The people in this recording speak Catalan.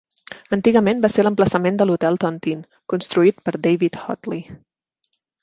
Antigament va ser l'emplaçament de l'hotel Tontine, construït per David Hoadley.